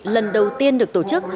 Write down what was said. lần đầu tiên được tổ chức